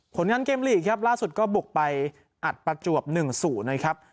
ผลงานเกมลีกครับล่าสุดก็บุกไปอัดประจวบ๑๐นะครับ